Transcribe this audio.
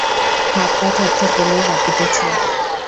হাত-পা থরথর করিয়া কাঁপিতেছে।